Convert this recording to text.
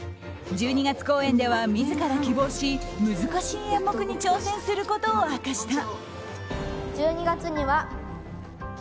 １２月公演では自ら希望し難しい演目に挑戦することを明かした。